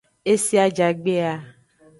Ese ajagbe a.